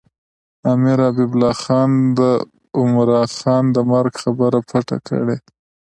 امیر حبیب الله خان د عمرا خان د مرګ خبره پټه کړې.